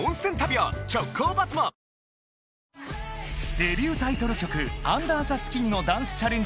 デビュータイトル曲『Ｕｎｄｅｒｔｈｅｓｋｉｎ』のダンスチャレンジ